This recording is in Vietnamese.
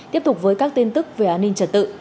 tiếp tục với các tin tức về an ninh trật tự